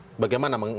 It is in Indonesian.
itu benar tidak kemudian